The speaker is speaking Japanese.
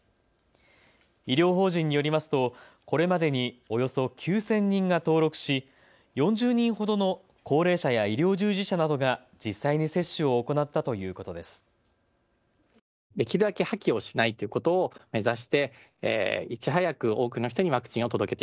医療法人によりますとこれまでにおよそ９０００人が登録し４０人ほどの高齢者や医療従事者などが実際に接種を行ったということです。